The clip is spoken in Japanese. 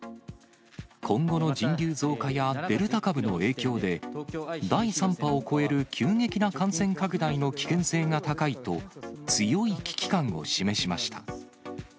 今後の人流増加やデルタ株の影響で、第３波を超える急激な感染拡大の危険性が高いと、強い危機感を示しました。